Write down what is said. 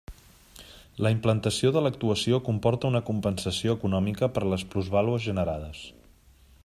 La implantació de l'actuació comporta una compensació econòmica per les plusvàlues generades.